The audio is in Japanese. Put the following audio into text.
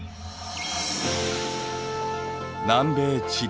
南米チリ。